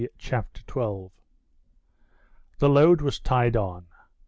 Chapter 12 The load was tied on.